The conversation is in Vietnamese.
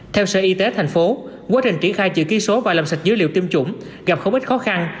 theo sở y tế thành phố quá trình triển khai chữ ký số và làm sạch dữ liệu tiêm chủng gặp không ít khó khăn